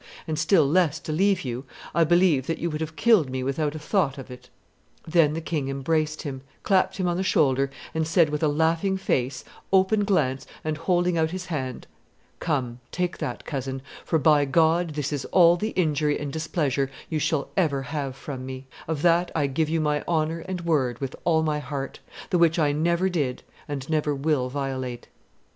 and still less to leave you, I believe that you would have killed me without a thought of it.' Then the king embraced him, clapped him on the shoulder, and said with a laughing face, open glance, and holding out his hand, 'Come, take that, cousin, for, by God, this is all the injury and displeasure you shall ever have from me; of that I give you my honor and word with all my heart, the which I never did and never will violate.